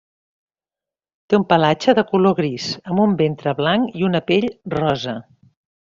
Té un pelatge de color gris, amb un ventre blanc i una pell rosa.